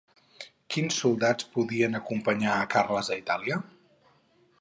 Quins soldats podien acompanyar a Carles a Itàlia?